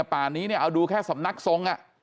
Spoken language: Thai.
ป่านี้เอาดูแค่สำนักทรง